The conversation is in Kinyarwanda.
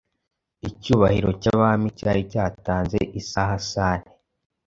Icyubahiro cyabami cyari cyatanze isaha-salle